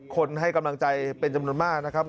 ให้กำลังใจเป็นจำนวนมากนะครับ